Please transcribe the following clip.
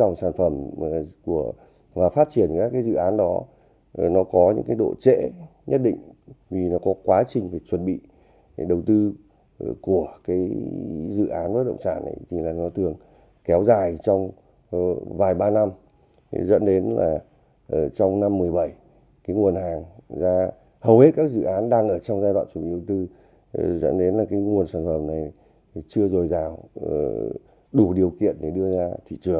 năm hai nghìn một mươi bảy nguồn hàng ra hầu hết các dự án đang ở trong giai đoạn chủ yếu tư dẫn đến nguồn sản phẩm này chưa rồi rào đủ điều kiện để đưa ra thị trường